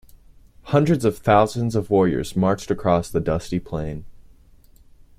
Hundreds of thousands of warriors marched across the dusty plain.